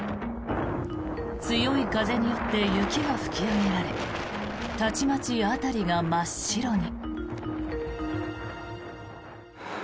強い風によって雪が吹き上げられたちまち辺りが真っ白に。